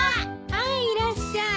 はいいらっしゃい。